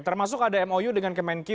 termasuk ada mou dengan kemenkyu